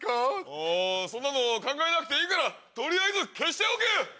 あそんなの考えなくていいから取りあえず消しておけ！